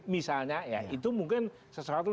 misalnya ya itu mungkin sesuatu